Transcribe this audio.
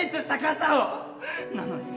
なのに